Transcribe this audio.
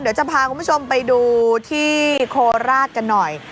เดี๋ยวจะพาคุณผู้ชมไปดูที่โคราชกันหน่อย